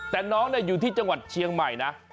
แต่น้องอยู่ที่จังหวัดเชียงใหม่นะ